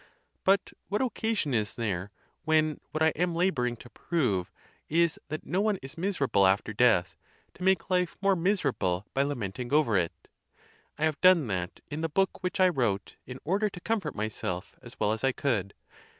But what occasion is there, when what I am la boring to prove is that no one is miserable after death, to make life more miserable by lamenting over it? I have done that in the book which I wrote, in order to comfort myself as well as I could.